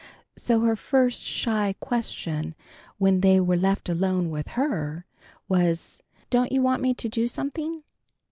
So her first shy question when they were left alone with Her, was: "Don't you want me to do something?"